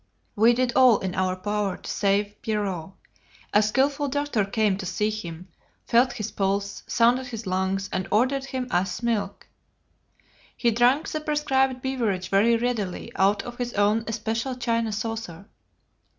We did all in our power to save Pierrot: a skilful doctor came to see him, felt his pulse, sounded his lungs, and ordered him ass's milk. He drank the prescribed beverage very readily out of his own especial china saucer.